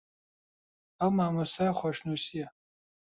ئەو مامۆستای خۆشنووسییە